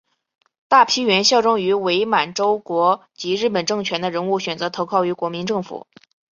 大批原效忠于伪满洲国及日本政权的人物选择投靠于国民政府。